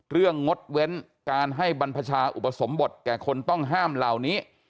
งดเว้นการให้บรรพชาอุปสมบทแก่คนต้องห้ามเหล่านี้